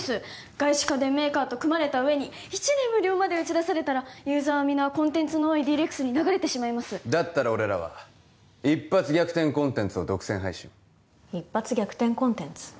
外資家電メーカーと組まれた上に１年無料まで打ち出されたらユーザーは皆コンテンツの多いＤ−ＲＥＸに流れてしまいますだったら俺らは一発逆転コンテンツを独占配信一発逆転コンテンツ？